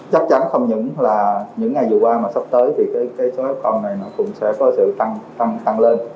chắc chắn không những là những ngày vừa qua mà sắp tới thì cái số f này cũng sẽ có sự tăng lên